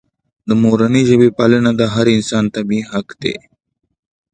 د مورنۍ ژبې پالنه د هر انسان طبیعي حق دی.